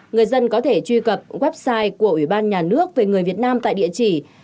người dân có thể truy cập website của ủy ban nhà nước về người việt nam tại địa chỉ